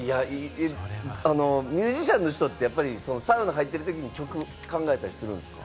ミュージシャンの人って、サウナ入ってるときに曲考えたりするんですか？